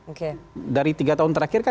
oke dari tiga tahun terakhir kan